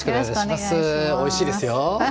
おいしいですよ。